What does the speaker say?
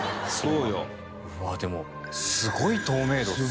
うわっでもすごい透明度ですよ。